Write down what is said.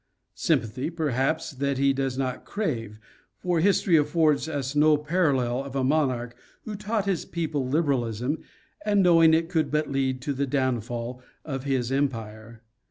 Sympathy, per haps, that he does not crave, for history affords us no parallel of a monarch who taught his people liberalism, and knowing it could but lead to the downfall of his empire.